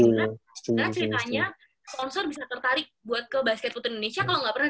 karena ceritanya sponsor bisa tertarik buat ke basket putri indonesia kalau nggak pernah